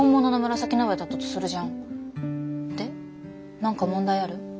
何か問題ある？